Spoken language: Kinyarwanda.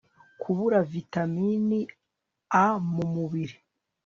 kubura vitamini a mu mubiri